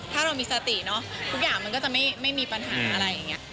ถ้าเรามีสติเนอะทุกอย่างมันก็จะไม่มีปัญหาอะไรอย่างนี้